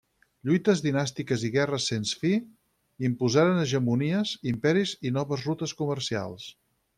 Lluites dinàstiques i guerres sens fi imposaren hegemonies, imperis i noves rutes comercials.